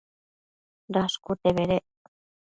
Dashcute bedec